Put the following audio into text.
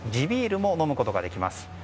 ビールも飲むことができます。